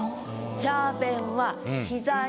「チャー弁は膝に」。